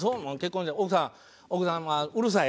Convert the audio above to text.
奥さんはうるさい？